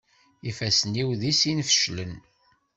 Ifassen-iw di sin feclen.